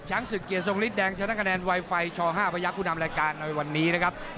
ช้างศึกเกียรติทรงฤทธิ์แดงชนะคะแนนไวไฟช่อ๕พยักษ์คุณธรรมรายการในวันนี้นะครับ